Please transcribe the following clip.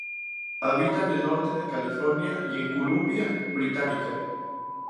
Habita en el Norte de California y en Columbia Británica.